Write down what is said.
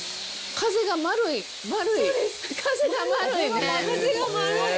風が丸い。